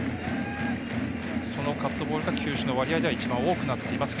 そのカットボールが球種の割合では一番多くなっています。